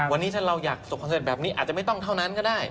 วันนี้ถ้าเราอยากส่งคอนเสิร์ตแบบนี้อาจจะไม่ต้องเท่านั้นก็ได้